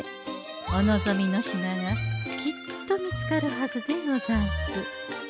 お望みの品がきっと見つかるはずでござんす。